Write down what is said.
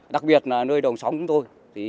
đặc biệt là nơi đầu sóng của chúng tôi